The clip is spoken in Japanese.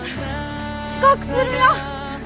遅刻するよ！